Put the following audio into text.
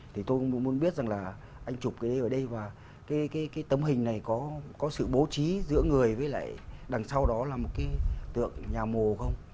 thì tôi muốn biết rằng là anh chụp cái đấy ở đây và cái tấm hình này có sự bố trí giữa người với lại đằng sau đó là một cái tượng nhà mồ không